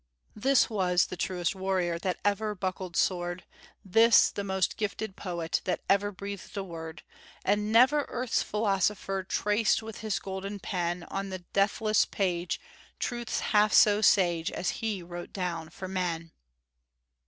"This was the truest warrior That ever buckled sword; This the most gifted poet That ever breathed a word: And never earth's philosopher Traced with his golden pen, On the deathless page, truths half so sage, As he wrote down for men."